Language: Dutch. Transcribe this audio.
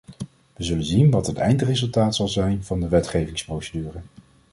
We zullen zien wat het uiteindelijke resultaat zal zijn van de wetgevingsprocedure.